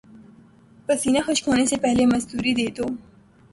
پسینہ خشک ہونے سے پہلے مزدوری دے دو